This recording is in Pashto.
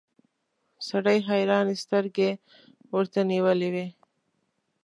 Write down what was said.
سړي حيرانې سترګې ورته نيولې وې.